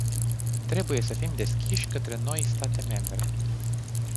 Trebuie să fim deschiși către noi state membre.